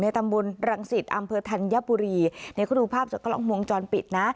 ตำบลรังสิตอำเภอธัญบุรีเดี๋ยวเขาดูภาพจากกล้องวงจรปิดนะ